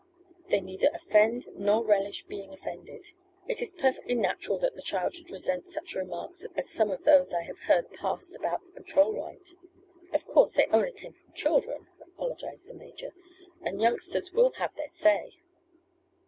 They neither offend nor relish being offended. It is perfectly natural that the child should resent such remarks as some of those I have heard passed about the patrol ride." "Of course they only came from children," apologized the major, "and youngsters will have their say."